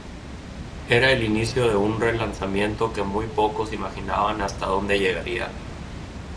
Era el inicio de un relanzamiento que muy pocos imaginaban hasta donde llegaría.